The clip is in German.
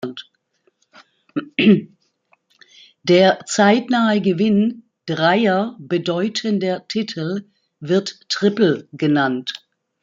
Der zeitnahe Gewinn dreier bedeutender Titel wird Triple genannt.